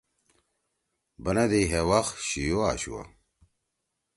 بنَدی ہے وقت شیو آشُوا۔